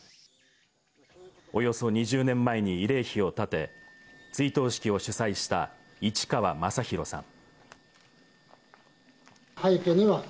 およそ２０年前に慰霊碑を建て、追悼式を主催した市川正廣さん。